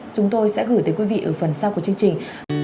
chúng tôi sẽ gửi tới quý vị ở phần sau của chương trình